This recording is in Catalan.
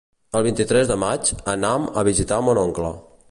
El vint-i-tres de maig anam a visitar mon oncle.